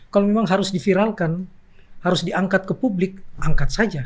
kalau memang harus diviralkan harus diangkat ke publik angkat saja